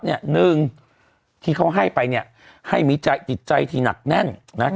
หนึ่งที่เขาให้ไปเนี่ยให้มีจิตใจที่หนักแน่น